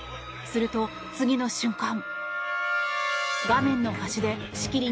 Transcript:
すると、次の瞬間。